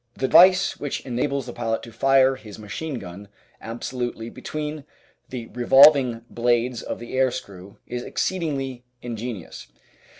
The device which enables the pilot to fire his machine gun abso lutely between the revolving blades of the air screw is exceed ingly ingenious.